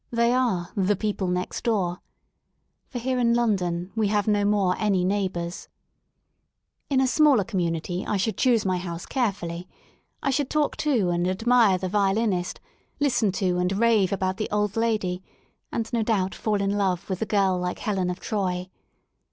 They are *'the people next door." For here in London we have no more any neighbours, *' In a smaller community I should choose my house carefully; I should talk to and admire the violinist, listen to and rave about the old lady, and no doubt fall in love with the girl like Helen of Troy.